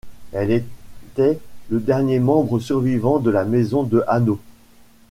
Elle était le dernier membre survivant de la Maison de Hanau.